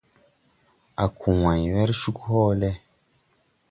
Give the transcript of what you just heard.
A ko wãy wer cug hoole.